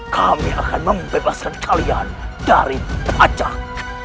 kami akan membebaskan kalian dari acak